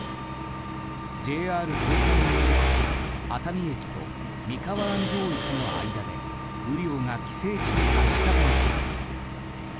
ＪＲ東海によると熱海駅と三河安城駅の間で雨量が規制値に達したといいます。